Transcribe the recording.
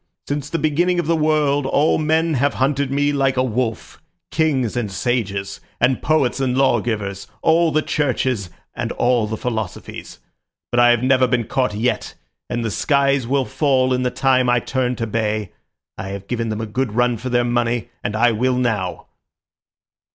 Since the beginning of the world all men have hunted me like a wolf—kings and sages, and poets and lawgivers, all the churches, and all the philosophies. But I have never been caught yet, and the skies will fall in the time I turn to bay. I have given them a good run for their money, and I will now."